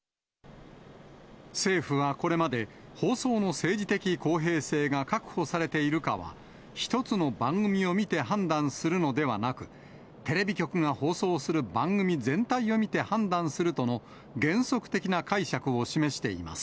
政府はこれまで、放送の政治的公平性が確保されているかは、１つの番組を見て判断するのではなく、テレビ局が放送する番組全体を見て判断するとの原則的な解釈を示しています。